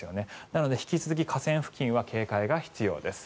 なので、引き続き河川付近は警戒が必要です。